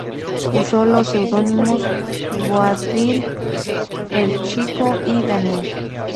Usó los seudónimos "Boabdil el Chico" y "Daniel".